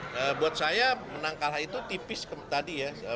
nah buat saya menang kalah itu tipis tadi ya